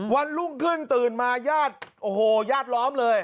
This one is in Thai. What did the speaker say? วันรุ่งขึ้นตื่นมาญาติโอ้โหญาติล้อมเลย